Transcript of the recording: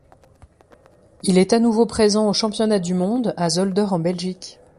Il est à nouveau présent aux championnats du monde, à Zolder en Belgique.